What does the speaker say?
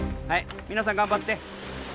はい皆さん頑張って。